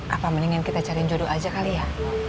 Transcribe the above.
apa mendingan kita cari jodoh aja kali ya